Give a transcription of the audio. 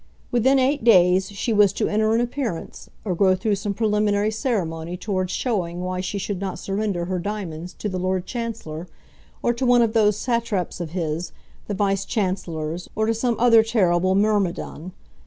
Within eight days she was to enter an appearance, or go through some preliminary ceremony towards showing why she should not surrender her diamonds to the Lord Chancellor, or to one of those satraps of his, the Vice Chancellors, or to some other terrible myrmidon.